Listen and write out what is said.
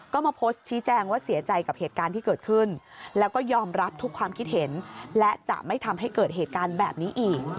ก็มาโพสต์ชี้แจงว่าเสียใจกับเหตุการณ์ที่เกิดขึ้นแล้วก็ยอมรับทุกความคิดเห็นและจะไม่ทำให้เกิดเหตุการณ์แบบนี้อีก